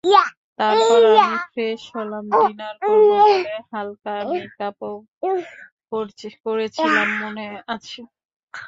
তারপর আমি ফ্রেশ হলাম ডিনার করব বলে, হালকা মেকআপও করেছিলাম, মনে আছে?